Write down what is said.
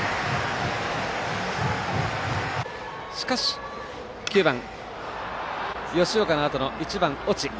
しかし、９番、吉岡のあとの１番、越智。